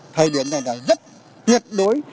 thời điểm này là rất tuyệt đối